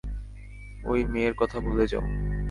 ওই মেয়ের কথা ভুলে যাও।